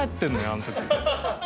あの時。